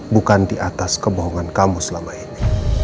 bukan di atas kebohongan kamu selama ini